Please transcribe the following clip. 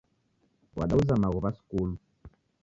Wadauza maghuw'a skulu.